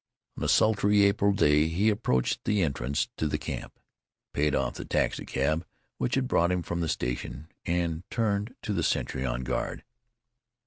On a sultry April day he approached the entrance to the camp, paid off the taxicab which had brought him from the station, and turned to the sentry on guard.